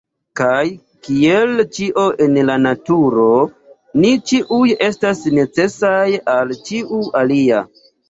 Kaj, kiel ĉio en la Naturo, ni ĉiuj estas necesaj al ĉiu alia.